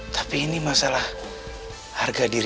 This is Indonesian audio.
tapi ini masalah harga di rumah